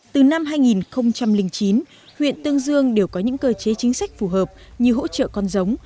từ năm hai nghìn chín huyện tương dương đều có những cơ chế chính sách phù hợp như hỗ trợ con giống